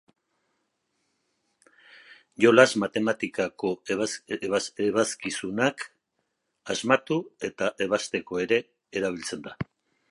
Jolas-matematikako ebazkizunak asmatu eta ebazteko ere erabiltzen da.